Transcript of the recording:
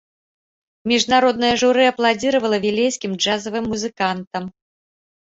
Міжнароднае журы апладзіравала вілейскім джазавым музыкантам.